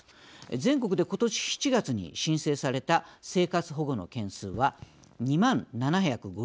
全国でことし７月に申請された生活保護の件数は２万７５７件。